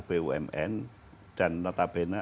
bumn dan notabene